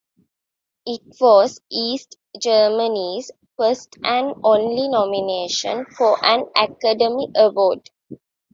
It was East Germany's first and only nomination for an Academy Award.